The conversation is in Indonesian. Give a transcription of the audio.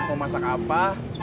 mau masak apa